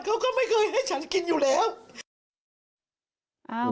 เขาก็ไม่เคยให้ฉันกินอยู่แล้ว